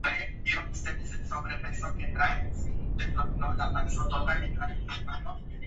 La escuela Ogasawara se enfoca en la parte ceremonial del disparo.